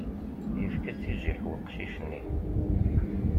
Yefka-tt i jjiḥ weqcic-nni.